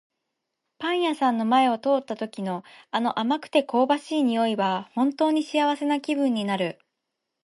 パン屋さんの前を通った時の、あの甘くて香ばしい匂いは本当に幸せな気分になる。